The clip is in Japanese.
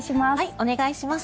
お願いします。